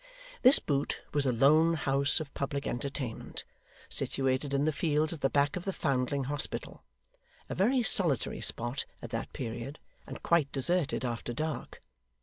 This Boot was a lone house of public entertainment, situated in the fields at the back of the Foundling Hospital; a very solitary spot at that period, and quite deserted after dark.